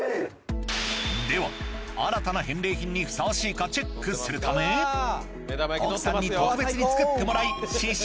では新たな返礼品にふさわしいかチェックするため奥さんに特別に作ってもらい試食！